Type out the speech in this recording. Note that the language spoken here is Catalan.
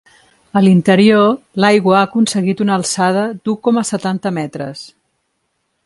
A l’interior, l’aigua ha aconseguit una alçada d’u coma setanta metres.